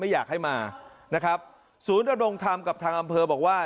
อยากให้มานะครับศูนย์ดำรงธรรมกับทางอำเภอบอกว่า